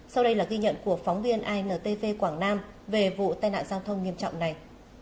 sau đây là ghi nhận của phóng viên intv quảng nam về vụ tai nạn giao thông nghiêm trọng này